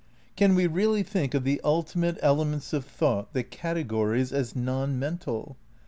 Can we really think of the ultimate elements of thought, the cate gories, as non mental?